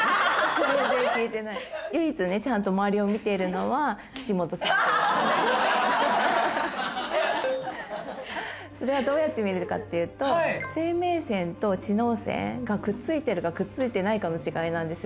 全然聞いてないそれはどうやって見れるかっていうと生命線と知能線がくっついてるかくっついてないかの違いなんです